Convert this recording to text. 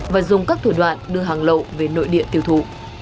và dùng các thủ đoạn đưa hàng lậu về nội địa tiêu thụ